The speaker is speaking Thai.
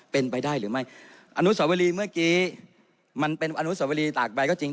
เป็นไปได้หรือไม่อนุสวรีเมื่อกี้มันเป็นอนุสวรีตากใบก็จริง